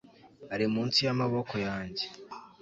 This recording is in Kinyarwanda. ari munsi yamaboko yanjye